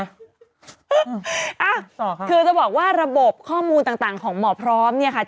อ่ะค่ะคือจะบอกว่าระบบข้อมูลต่างของหมอพร้อมเนี่ยค่ะ